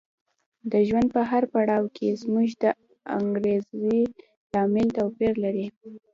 د ژوند په هر پړاو کې زموږ د انګېزې لامل توپیر لري.